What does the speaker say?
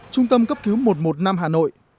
trung tâm cấp cứu một trăm một mươi năm hà nội